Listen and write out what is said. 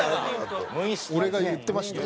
俺が言ってました？